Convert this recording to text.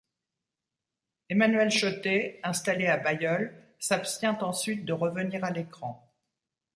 Emmanuel Schotté, installé à Bailleul, s'abstient ensuite de revenir à l'écran.